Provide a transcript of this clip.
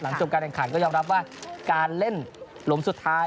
หลังจากการแห่งข่าวก็ยอมรับว่าการเล่นลมสุดท้าย